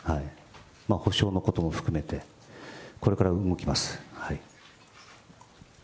補償のことも含めて、これから動きます。